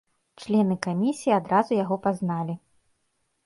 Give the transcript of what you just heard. Члены камісіі адразу яго пазналі.